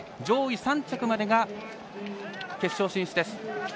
上位３着までが決勝進出です。